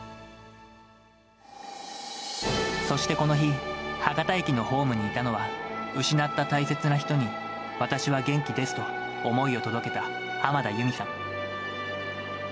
そしてこの日、博多駅のホームにいたのは、失った大切な人に私は元気ですと思いを届けた浜田ゆみさん。